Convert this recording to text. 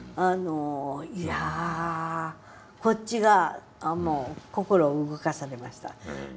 いやこっちが心を動かされました。